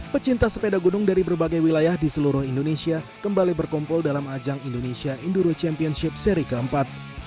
pecinta sepeda gunung dari berbagai wilayah di seluruh indonesia kembali berkumpul dalam ajang indonesia enduro championship seri keempat